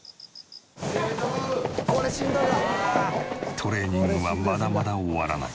トレーニングはまだまだ終わらない。